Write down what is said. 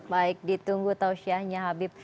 baik ditunggu tausiahnya habib